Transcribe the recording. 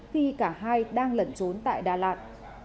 khi cả hai đang lẩn trốn tại đà lạt